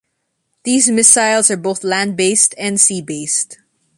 These missiles are both land based and sea based.